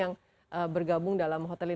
ini sudah mulai